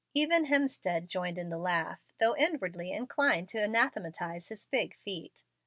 Even Hemstead joined in the laugh, though inwardly inclined to anathematize his big feet.